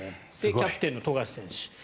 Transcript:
キャプテンの富樫選手。